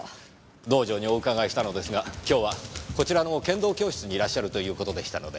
道場にお伺いしたのですが今日はこちらの剣道教室にいらっしゃるという事でしたので。